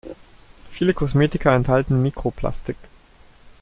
Viele Kosmetika enthalten Mikroplastik.